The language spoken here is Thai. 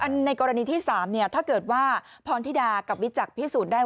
ในกรณีที่๓ถ้าเกิดว่าพรธิดากับวิจักรพิสูจน์ได้